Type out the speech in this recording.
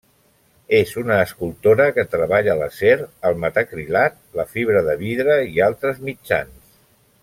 És una escultora que treballa l'acer, el metacrilat, la fibra de vidre i altres mitjans.